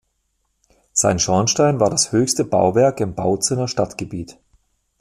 Sein Schornstein war das höchste Bauwerk im Bautzener Stadtgebiet.